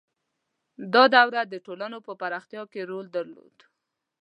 • دا دوره د ټولنو په پراختیا کې رول درلود.